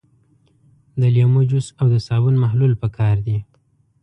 د لیمو جوس او د صابون محلول پکار دي.